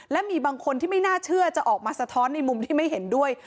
และมีบางคนที่ไม่น่าเชื่อจะออกมาสะท้อนในมุมที่ไม่เห็นด้วย